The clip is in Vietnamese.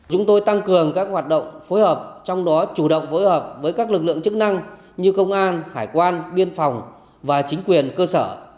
chúng tôi tăng cường các hoạt động phối hợp trong đó chủ động phối hợp với các lực lượng chức năng như công an hải quan biên phòng và chính quyền cơ sở